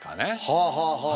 はあはあはあ。